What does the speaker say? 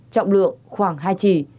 trọng lượng khoảng hai trì